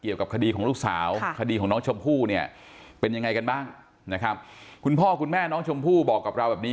ยังไงกันบ้างนะครับคุณพ่อคุณแม่น้องชมพู่บอกกับเราแบบนี้